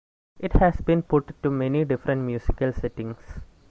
It has been put to many different musical settings.